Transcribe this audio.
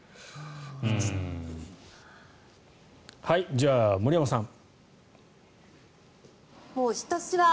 じゃあ森山さん。